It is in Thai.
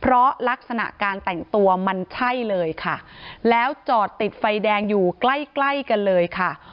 เพราะลักษณะการแต่งตัวมันใช่เลยค่ะแล้วจอดติดไฟแดงอยู่ใกล้ใกล้กันเลยค่ะ